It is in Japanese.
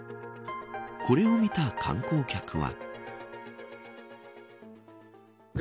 これを見た観光客は。